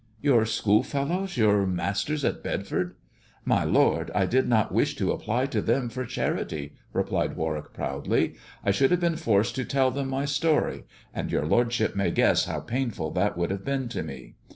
Your school fellows — your masters at Bedford "" My lord, I did not wish to apply to them for charity," replied Warwick proudly. " I should have been forced to tell them my story, and your lordship may guess how painful that would have been to me.